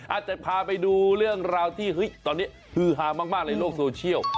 อาจจะพาไปดูเรื่องราวที่ตอนนี้ฮือฮามากในโลกโซเชียล